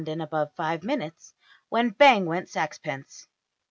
png}% above five minutes when ``bang went saxpence.''